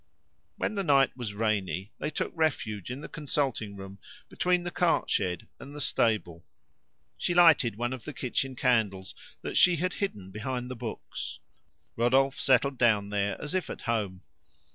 When the night was rainy, they took refuge in the consulting room between the cart shed and the stable. She lighted one of the kitchen candles that she had hidden behind the books. Rodolphe settled down there as if at home.